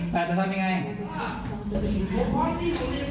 แต่จะทำยังไง